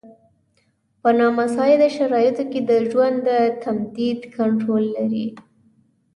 په نامساعدو شرایطو کې د ژوند د تمدید کنټرول لري.